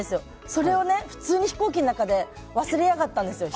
それを普通に飛行機の中で忘れやがったんですよ。